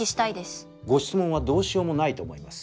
ご質問はどうしようもないと思います。